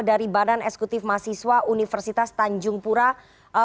dari badan eksekutif mahasiswa universitas tanjung pura